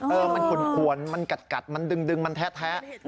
เออมันขุนขวนมันกัดกัดมันดึงดึงมันแท้แท้อืม